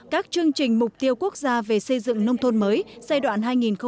các chương trình mục tiêu quốc gia về xây dựng nông thôn mới giai đoạn hai nghìn hai mươi một hai nghìn hai mươi